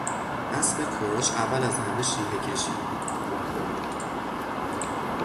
اسب کورش اول از همه شیهه کشید.